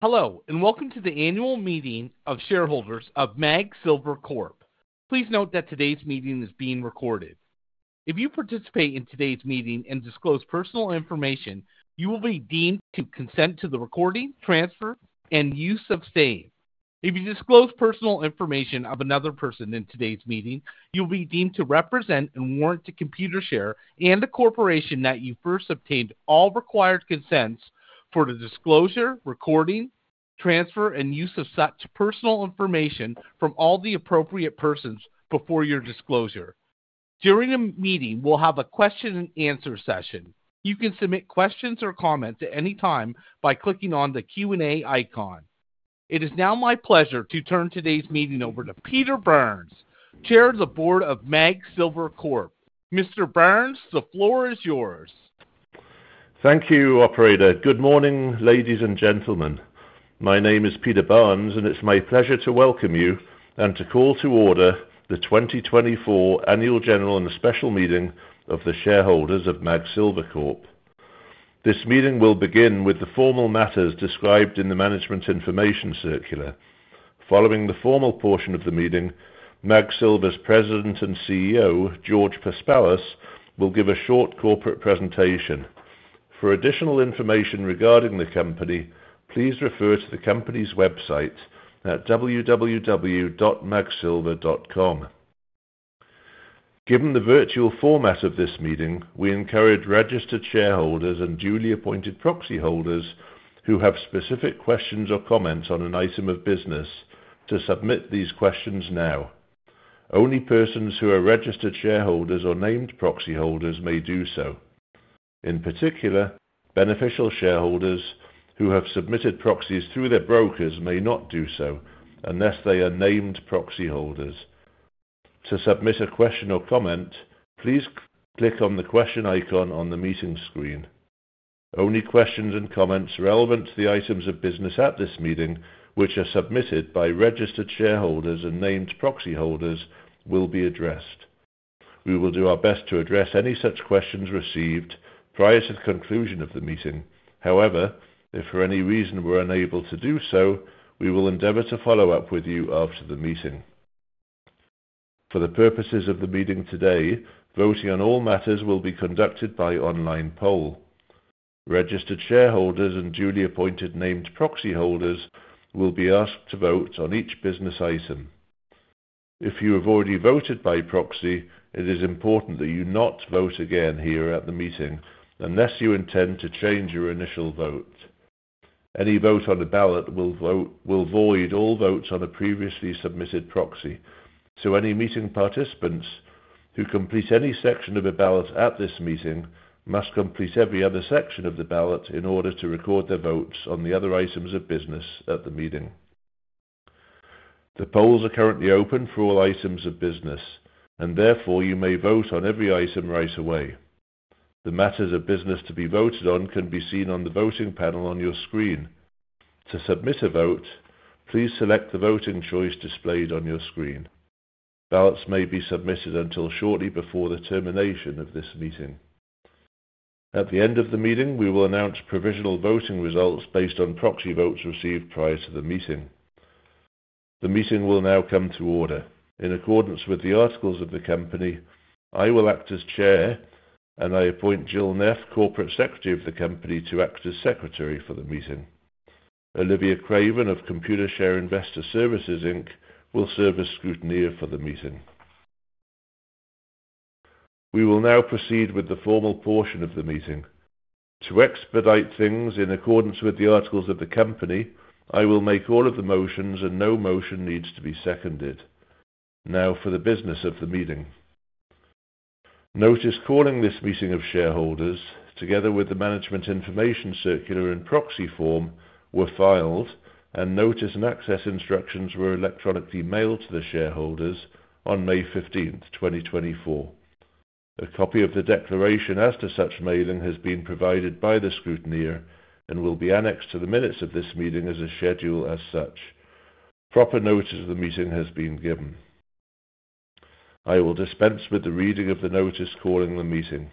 Hello, and welcome to the Annual Meeting of Shareholders of MAG Silver Corp. Please note that today's meeting is being recorded. If you participate in today's meeting and disclose personal information, you will be deemed to consent to the recording, transfer, and use of same. If you disclose personal information of another person in today's meeting, you will be deemed to represent and warrant to Computershare and the corporation that you first obtained all required consents for the disclosure, recording, transfer, and use of such personal information from all the appropriate persons before your disclosure. During the meeting, we'll have a question-and-answer session. You can submit questions or comments at any time by clicking on the Q&A icon. It is now my pleasure to turn today's meeting over to Peter Barnes, Chair of the Board of MAG Silver Corp. Mr. Barnes, the floor is yours. Thank you, Operator. Good morning, ladies and gentlemen. My name is Peter Barnes, and it's my pleasure to welcome you and to call to order the 2024 Annual General and Special Meeting of the Shareholders of MAG Silver Corp. This meeting will begin with the formal matters described in the Management Information Circular. Following the formal portion of the meeting, MAG Silver's President and CEO, George Paspalas, will give a short corporate presentation. For additional information regarding the company, please refer to the company's website at www.magsilver.com. Given the virtual format of this meeting, we encourage registered shareholders and duly appointed proxy holders who have specific questions or comments on an item of business to submit these questions now. Only persons who are registered shareholders or named proxy holders may do so. In particular, beneficial shareholders who have submitted proxies through their brokers may not do so unless they are named proxy holders. To submit a question or comment, please click on the question icon on the meeting screen. Only questions and comments relevant to the items of business at this meeting, which are submitted by registered shareholders and named proxy holders, will be addressed. We will do our best to address any such questions received prior to the conclusion of the meeting. However, if for any reason we're unable to do so, we will endeavor to follow up with you after the meeting. For the purposes of the meeting today, voting on all matters will be conducted by online poll. Registered shareholders and duly appointed named proxy holders will be asked to vote on each business item. If you have already voted by proxy, it is important that you not vote again here at the meeting unless you intend to change your initial vote. Any vote on a ballot will void all votes on a previously submitted proxy. So any meeting participants who complete any section of a ballot at this meeting must complete every other section of the ballot in order to record their votes on the other items of business at the meeting. The polls are currently open for all items of business, and therefore you may vote on every item right away. The matters of business to be voted on can be seen on the voting panel on your screen. To submit a vote, please select the voting choice displayed on your screen. Ballots may be submitted until shortly before the termination of this meeting. At the end of the meeting, we will announce provisional voting results based on proxy votes received prior to the meeting. The meeting will now come to order. In accordance with the articles of the company, I will act as Chair, and I appoint Jill Neff, Corporate Secretary of the Company, to act as Secretary for the meeting. Olivia Craven of Computershare Investor Services, Inc., will serve as Scrutineer for the meeting. We will now proceed with the formal portion of the meeting. To expedite things in accordance with the articles of the company, I will make all of the motions, and no motion needs to be seconded. Now for the business of the meeting. Notice calling this meeting of shareholders, together with the Management Information Circular in proxy form, were filed, and notice and access instructions were electronically mailed to the shareholders on May 15th, 2024. A copy of the declaration as to such mailing has been provided by the Scrutineer and will be annexed to the minutes of this meeting as a schedule as such. Proper notice of the meeting has been given. I will dispense with the reading of the notice calling the meeting.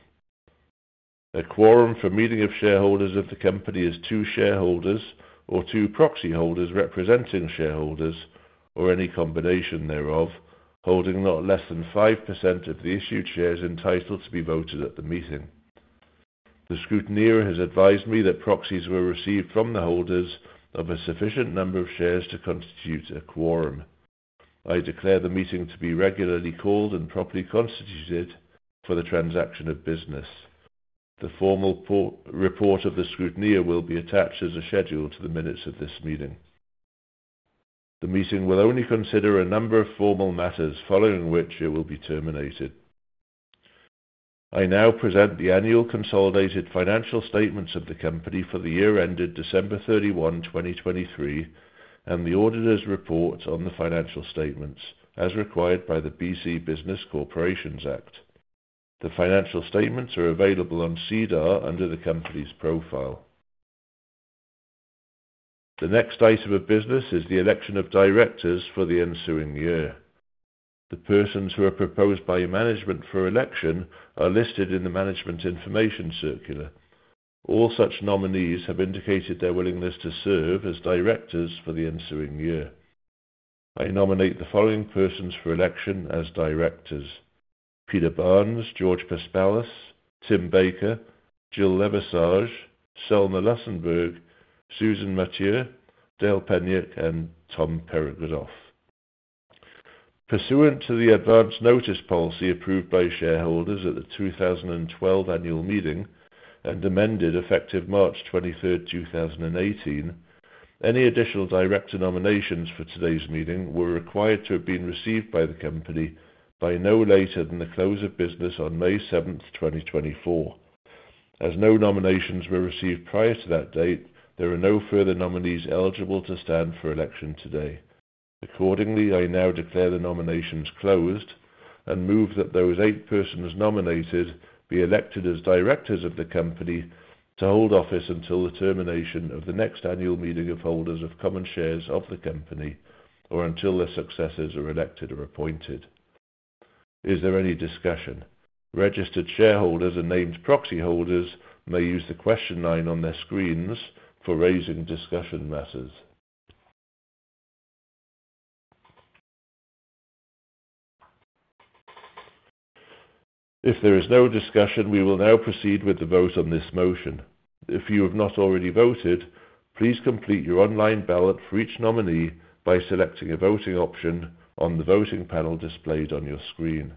A quorum for meeting of shareholders of the company is two shareholders or two proxy holders representing shareholders or any combination thereof, holding not less than 5% of the issued shares entitled to be voted at the meeting. The Scrutineer has advised me that proxies were received from the holders of a sufficient number of shares to constitute a quorum. I declare the meeting to be regularly called and properly constituted for the transaction of business. The formal report of the Scrutineer will be attached as a schedule to the minutes of this meeting. The meeting will only consider a number of formal matters following which it will be terminated. I now present the annual consolidated financial statements of the company for the year ended December 31, 2023, and the auditor's report on the financial statements as required by the BC Business Corporations Act. The financial statements are available on SEDAR+ under the company's profile. The next item of business is the election of directors for the ensuing year. The persons who are proposed by management for election are listed in the Management Information Circular. All such nominees have indicated their willingness to serve as directors for the ensuing year. I nominate the following persons for election as directors: Peter Barnes, George Paspalas, Tim Baker, Jill Leversage, Selma Lussenburg, Susan Mathieu, Dale Peniuk, and Tom Peregoodoff. Pursuant to the Advance Notice Policy approved by shareholders at the 2012 Annual Meeting and amended effective March 23rd, 2018, any additional director nominations for today's meeting were required to have been received by the company by no later than the close of business on May 7th, 2024. As no nominations were received prior to that date, there are no further nominees eligible to stand for election today. Accordingly, I now declare the nominations closed and move that those eight persons nominated be elected as directors of the company to hold office until the termination of the next Annual Meeting of Holders of Common Shares of the Company or until their successors are elected or appointed. Is there any discussion? Registered shareholders and named proxy holders may use the question line on their screens for raising discussion matters. If there is no discussion, we will now proceed with the vote on this motion. If you have not already voted, please complete your online ballot for each nominee by selecting a voting option on the voting panel displayed on your screen.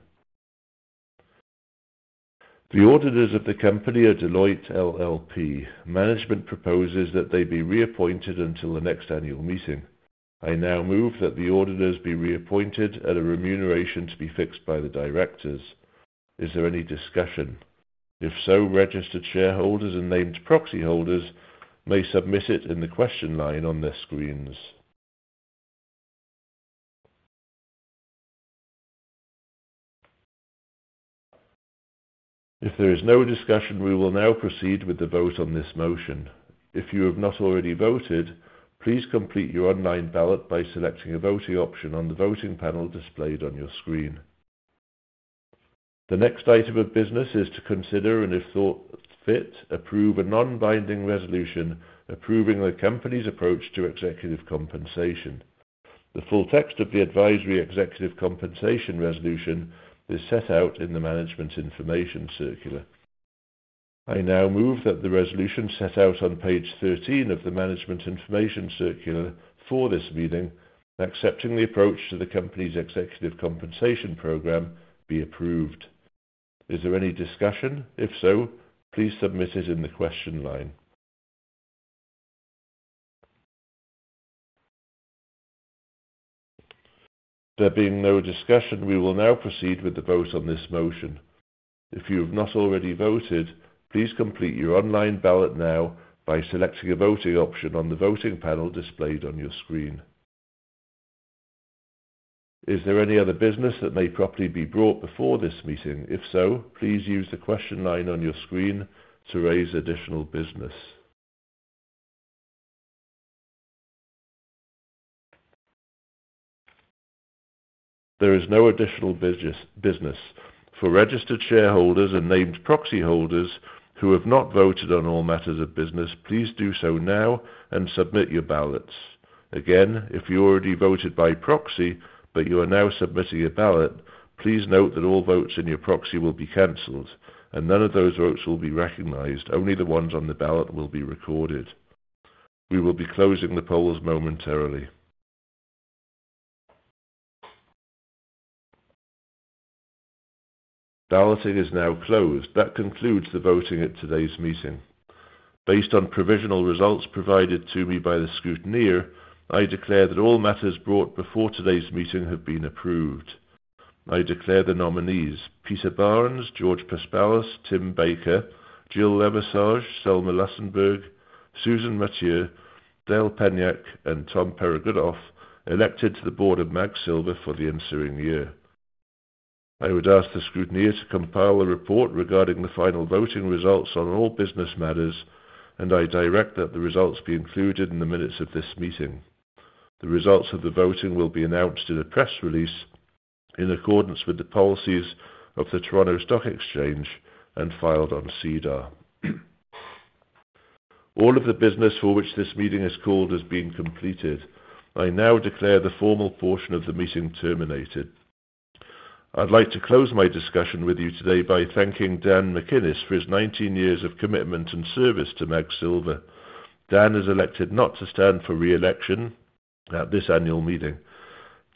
The auditors of the company are Deloitte LLP. Management proposes that they be reappointed until the next Annual Meeting. I now move that the auditors be reappointed at a remuneration to be fixed by the directors. Is there any discussion? If so, registered shareholders and named proxy holders may submit it in the question line on their screens. If there is no discussion, we will now proceed with the vote on this motion. If you have not already voted, please complete your online ballot by selecting a voting option on the voting panel displayed on your screen. The next item of business is to consider and, if thought fit, approve a non-binding resolution approving the company's approach to executive compensation. The full text of the advisory executive compensation resolution is set out in the Management Information Circular. I now move that the resolution set out on page 13 of the Management Information Circular for this meeting, accepting the approach to the company's executive compensation program, be approved. Is there any discussion? If so, please submit it in the question line. There being no discussion, we will now proceed with the vote on this motion. If you have not already voted, please complete your online ballot now by selecting a voting option on the voting panel displayed on your screen. Is there any other business that may properly be brought before this meeting? If so, please use the question line on your screen to raise additional business. There is no additional business. For registered shareholders and named proxy holders who have not voted on all matters of business, please do so now and submit your ballots. Again, if you already voted by proxy but you are now submitting a ballot, please note that all votes in your proxy will be canceled and none of those votes will be recognized. Only the ones on the ballot will be recorded. We will be closing the polls momentarily. Balloting is now closed. That concludes the voting at today's meeting. Based on provisional results provided to me by the Scrutineer, I declare that all matters brought before today's meeting have been approved. I declare the nominees: Peter Barnes, George Paspalas, Tim Baker, Jill Leversage, Selma Lussenburg, Susan Mathieu, Dale Peniuk, and Tom Peregoodoff, elected to the Board of MAG Silver for the ensuing year. I would ask the Scrutineer to compile a report regarding the final voting results on all business matters, and I direct that the results be included in the minutes of this meeting. The results of the voting will be announced in a press release in accordance with the policies of the Toronto Stock Exchange and filed on SEDAR+. All of the business for which this meeting is called has been completed. I now declare the formal portion of the meeting terminated. I'd like to close my discussion with you today by thanking Dan MacInnis for his 19 years of commitment and service to MAG Silver. Dan has elected not to stand for re-election at this Annual Meeting.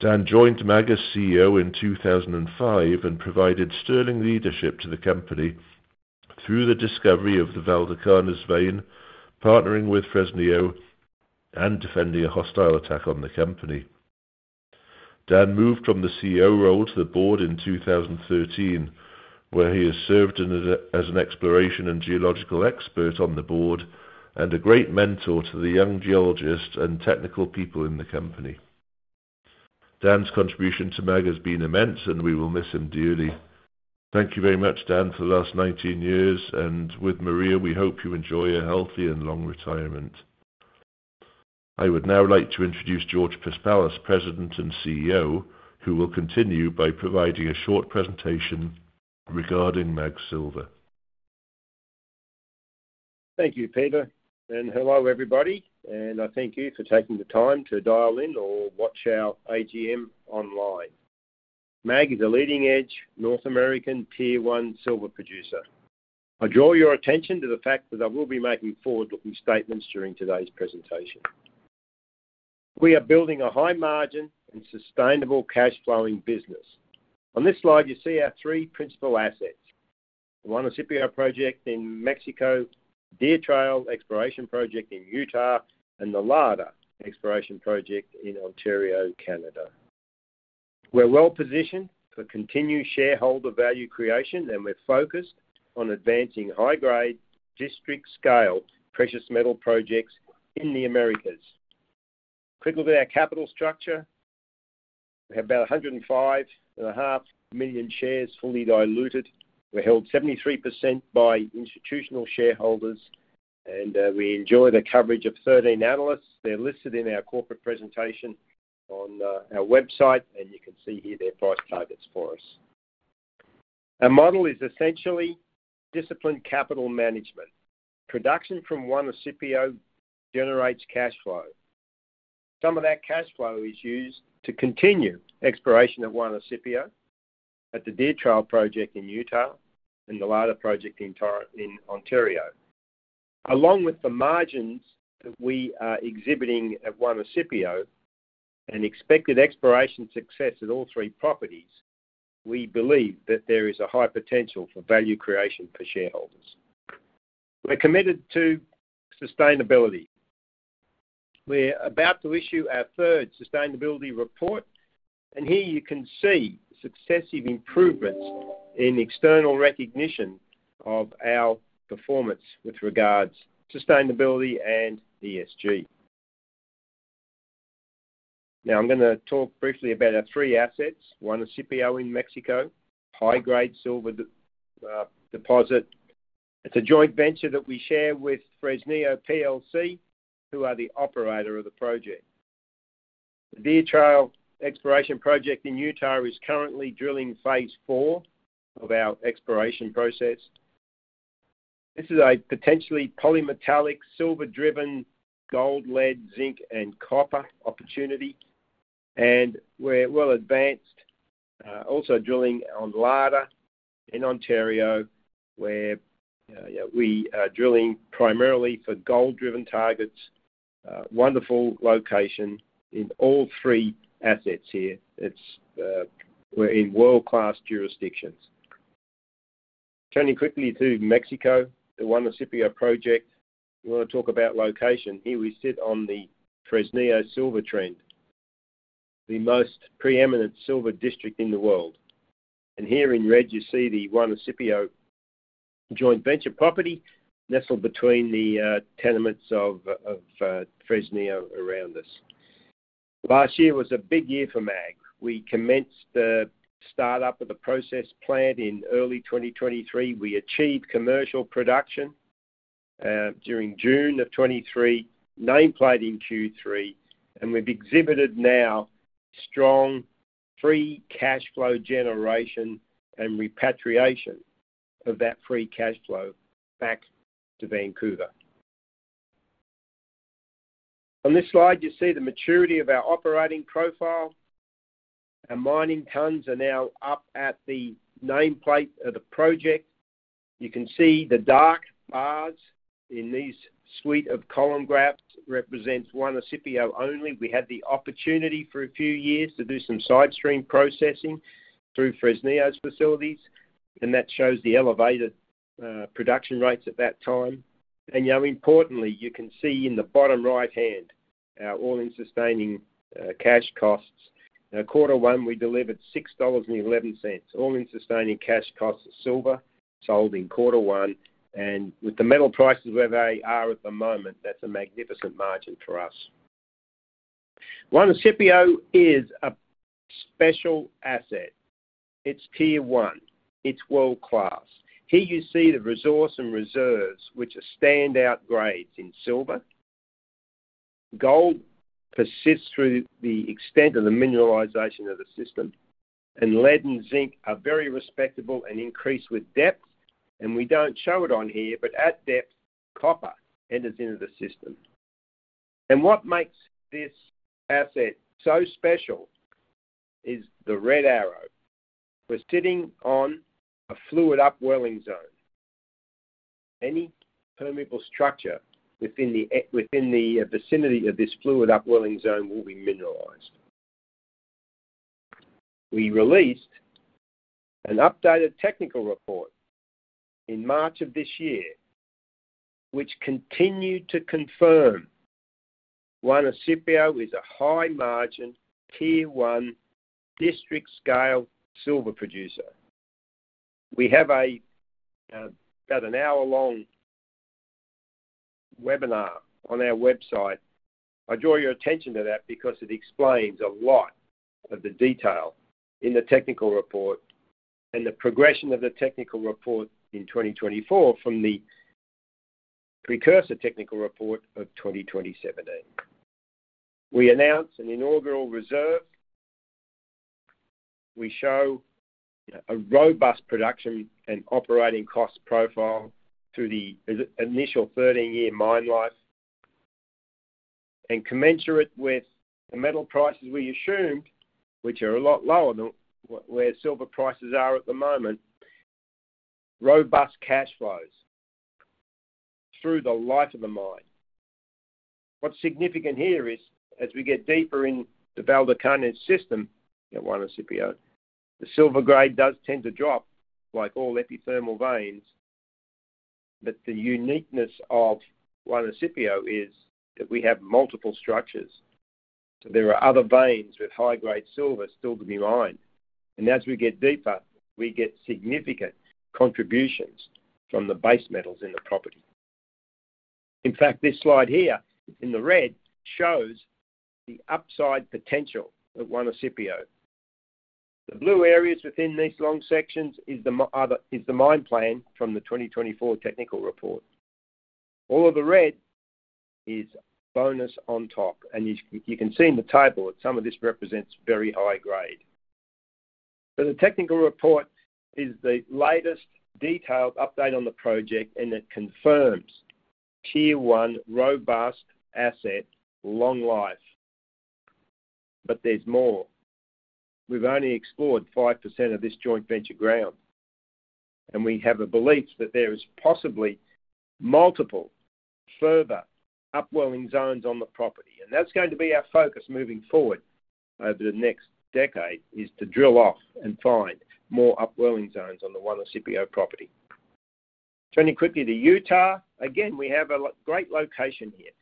Dan joined MAG as CEO in 2005 and provided sterling leadership to the company through the discovery of the Valdecañas Vein, partnering with Fresnillo and defending a hostile attack on the company. Dan moved from the CEO role to the board in 2013, where he has served as an exploration and geological expert on the board and a great mentor to the young geologists and technical people in the company. Dan's contribution to MAG has been immense, and we will miss him dearly. Thank you very much, Dan, for the last 19 years, and with Maria, we hope you enjoy a healthy and long retirement. I would now like to introduce George Paspalas, President and CEO, who will continue by providing a short presentation regarding MAG Silver. Thank you, Peter. And hello, everybody. And I thank you for taking the time to dial in or watch our AGM online. MAG is a leading-edge North American Tier-one silver producer. I draw your attention to the fact that I will be making forward-looking statements during today's presentation. We are building a high-margin and sustainable cash-flowing business. On this slide, you see our three principal assets: the Juanicipio Project in Mexico, Deer Trail Project exploration project in Utah, and the Larder Project exploration project in Ontario, Canada. We're well-positioned for continued shareholder value creation, and we're focused on advancing high-grade, district-scale precious metal projects in the Americas. Quick look at our capital structure. We have about 105.5 million shares fully diluted. We're held 73% by institutional shareholders, and we enjoy the coverage of 13 analysts. They're listed in our corporate presentation on our website, and you can see here their price targets for us. Our model is essentially disciplined capital management. Production from Juanicipio generates cash flow. Some of that cash flow is used to continue exploration at Juanicipio, at the Deer Trail Project in Utah, and the Larder Project in Ontario. Along with the margins that we are exhibiting at Juanicipio and expected exploration success at all three properties, we believe that there is a high potential for value creation for shareholders. We're committed to sustainability. We're about to issue our third sustainability report, and here you can see successive improvements in external recognition of our performance with regards to sustainability and ESG. Now, I'm going to talk briefly about our three assets: Juanicipio in Mexico, high-grade silver deposit. It's a joint venture that we share with Fresnillo PLC, who are the operator of the project. The Deer Trail exploration project in Utah is currently drilling phase four of our exploration process. This is a potentially polymetallic, silver-driven, gold-led, zinc, and copper opportunity, and we're well-advanced. Also drilling on Larder in Ontario, where we are drilling primarily for gold-driven targets. Wonderful location in all three assets here. We're in world-class jurisdictions. Turning quickly to Mexico, the Juanicipio project. We want to talk about location. Here we sit on the Fresnillo Silver Trend, the most preeminent silver district in the world. And here in red, you see the Juanicipio joint venture property nestled between the tenements of Fresnillo around us. Last year was a big year for MAG. We commenced the start-up of the processing plant in early 2023. We achieved commercial production during June of 2023, nameplate in Q3, and we've exhibited now strong free cash flow generation and repatriation of that free cash flow back to Vancouver. On this slide, you see the maturity of our operating profile. Our mining tons are now up at the nameplate of the project. You can see the dark bars in this suite of column graphs represents Juanicipio only. We had the opportunity for a few years to do some side stream processing through Fresnillo's facilities, and that shows the elevated production rates at that time. And now, importantly, you can see in the bottom right hand our All-in Sustaining Cash Costs. In quarter one, we delivered $6.11 All-in Sustaining Cash Costs of silver sold in quarter one. And with the metal prices where they are at the moment, that's a magnificent margin for us. Juanicipio is a special asset. It's tier-one. It's world-class. Here you see the resource and reserves, which are standout grades in silver. Gold persists through the extent of the mineralization of the system, and lead and zinc are very respectable and increase with depth. And we don't show it on here, but at depth, copper enters into the system. And what makes this asset so special is the red arrow. We're sitting on a fluid upwelling zone. Any permeable structure within the vicinity of this fluid upwelling zone will be mineralized. We released an updated technical report in March of this year, which continued to confirm Juanicipio is a high-margin, Tier-one, district-scale silver producer. We have about an hour-long webinar on our website. I draw your attention to that because it explains a lot of the detail in the technical report and the progression of the technical report in 2024 from the precursor technical report of 2027. We announce an inaugural reserve. We show a robust production and operating cost profile through the initial 13-year mine life and commensurate with the metal prices we assumed, which are a lot lower than where silver prices are at the moment. Robust cash flows through the life of the mine. What's significant here is, as we get deeper in the Valdecañas system at Juanicipio, the silver grade does tend to drop like all epithermal veins, but the uniqueness of Juanicipio is that we have multiple structures. So there are other veins with high-grade silver still to be mined. And as we get deeper, we get significant contributions from the base metals in the property. In fact, this slide here in the red shows the upside potential at Juanicipio. The blue areas within these long sections is the mine plan from the 2024 technical report. All of the red is bonus on top, and you can see in the table that some of this represents very high grade. So the technical report is the latest detailed update on the project, and it confirms tier-one robust asset long life. But there's more. We've only explored 5% of this joint venture ground, and we have a belief that there is possibly multiple further upwelling zones on the property. And that's going to be our focus moving forward over the next decade, is to drill off and find more upwelling zones on the Juanicipio property. Turning quickly to Utah. Again, we have a great location here.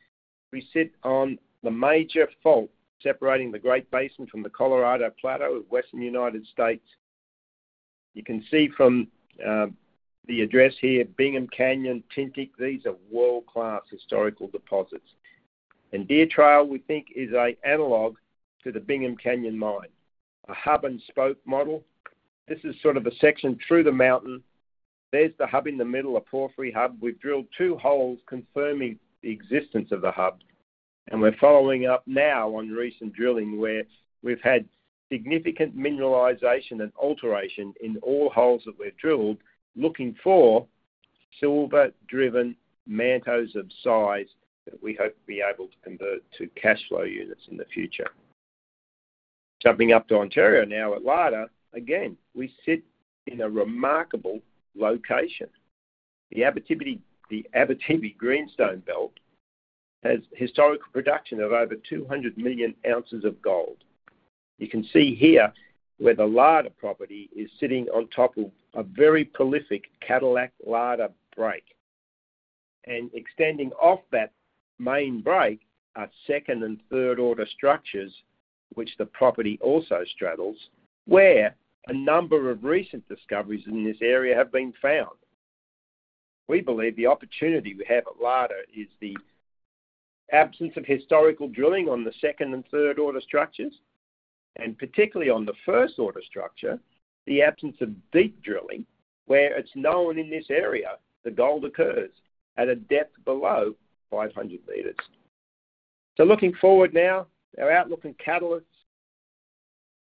We sit on the major fault separating the Great Basin from the Colorado Plateau of Western United States. You can see from the address here, Bingham Canyon, Tintic. These are world-class historical deposits. And Deer Trail, we think, is an analog to the Bingham Canyon mine, a hub-and-spoke model. This is sort of a section through the mountain. There's the hub in the middle, a porphyry hub. We've drilled two holes confirming the existence of the hub, and we're following up now on recent drilling where we've had significant mineralization and alteration in all holes that we've drilled, looking for silver-driven mantos of size that we hope to be able to convert to cash flow units in the future. Jumping up to Ontario now at Larder, again, we sit in a remarkable location. The Abitibi Greenstone Belt has historical production of over 200 million ounces of gold. You can see here where the Larder property is sitting on top of a very prolific Cadillac-Larder Lake Break. Extending off that main break are second and third-order structures, which the property also straddles, where a number of recent discoveries in this area have been found. We believe the opportunity we have at Larder is the absence of historical drilling on the second and third-order structures, and particularly on the first-order structure, the absence of deep drilling, where it's known in this area the gold occurs at a depth below 500 meters. So looking forward now, our outlook and catalysts.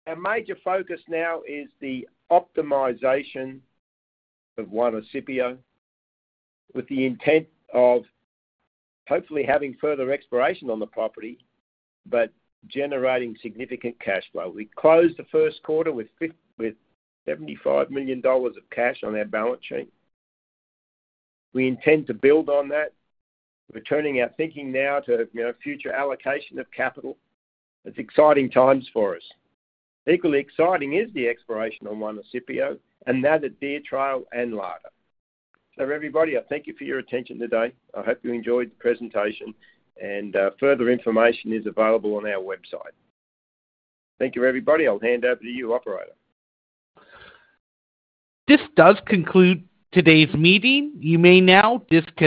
Our major focus now is the optimization of Juanicipio with the intent of hopefully having further exploration on the property, but generating significant cash flow. We closed the first quarter with $75 million of cash on our balance sheet. We intend to build on that. We're turning our thinking now to future allocation of capital. It's exciting times for us. Equally exciting is the exploration on Juanicipio and now the Deer Trail and Larder. So everybody, I thank you for your attention today. I hope you enjoyed the presentation, and further information is available on our website. Thank you, everybody. I'll hand over to you, operator. This does conclude today's meeting. You may now disconnect.